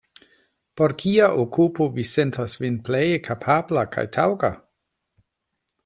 Por kia okupo vi sentas vin pleje kapabla kaj taŭga?